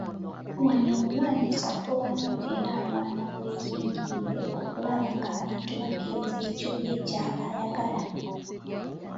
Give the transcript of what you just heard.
Wano omuwandiisi afuba nnyo era alwana bwezizingirire okulaba ng’abantu bakkiriza ekyo ye ky’aba ayagala.